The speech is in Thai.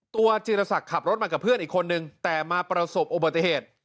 จีรศักดิ์ขับรถมากับเพื่อนอีกคนนึงแต่มาประสบอุบัติเหตุ